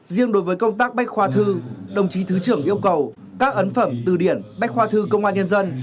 riêng đối với công tác bách khoa thư đồng chí thứ trưởng yêu cầu các ấn phẩm từ điển bách khoa thư công an nhân dân